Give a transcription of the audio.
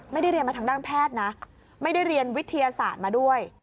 เรียนมาทางด้านแพทย์นะไม่ได้เรียนวิทยาศาสตร์มาด้วย